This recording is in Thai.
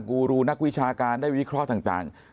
กูรูนักวิชาการได้วิเคราะห์ต่าง